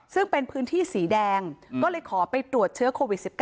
ซึ่งเป็นพื้นที่สีแดงก็เลยขอไปตรวจเชื้อโควิด๑๙